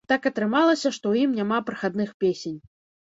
Так атрымалася, што ў ім няма прахадных песень.